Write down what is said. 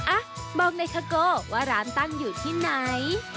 อ่ะบอกไนคาโก้ว่าร้านตั้งอยู่ที่ไหน